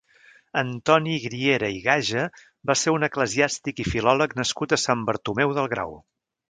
Antoni Griera i Gaja va ser un eclesiàstic i filòleg nascut a Sant Bartomeu del Grau.